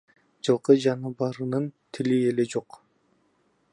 Жылкы жаныбарынын тили эле жок.